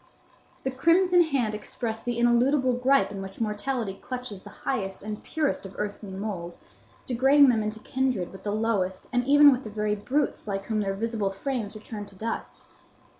The crimson hand expressed the ineludible gripe in which mortality clutches the highest and purest of earthly mould, degrading them into kindred with the lowest, and even with the very brutes, like whom their visible frames return to dust.